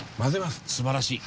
すばらしい。